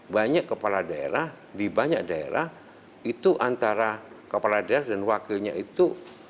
banyak kepala daerah di banyak daerah itu antara kepala daerah dan wakilnya itu